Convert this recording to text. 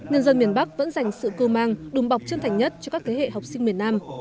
nhân dân miền bắc vẫn dành sự cư mang đùm bọc chân thành nhất cho các thế hệ học sinh miền nam